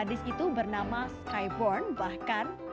gadis itu bernama skyborn bahkan